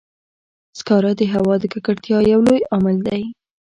سکاره د هوا د ککړتیا یو لوی عامل دی.